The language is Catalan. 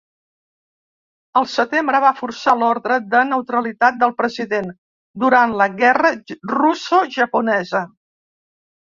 Al setembre, va forçar l'ordre de neutralitat del president durant la guerra russa-japonesa.